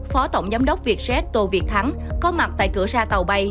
phó tổng giám đốc vietjet tô việt thắng có mặt tại cửa ra tàu bay